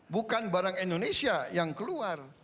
bukan barang indonesia yang keluar